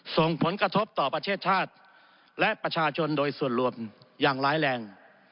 ส่งผลกระทบต่อประเทศชาติและประชาชนโดยส่วนรวมอย่างร้ายแรง